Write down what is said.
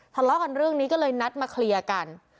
ทะเลาะกันเรื่องนี้ก็เลยนัดมาเคลียร์กัน